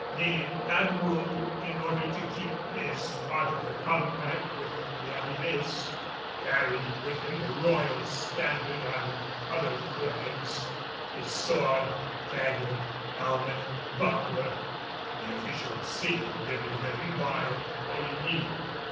The Admiral, in order to keep his part of the compact with De Avilés, carried with him the royal standard and other flags, his sword, dagger, helmet, buckler and the official seal given him by Coligny.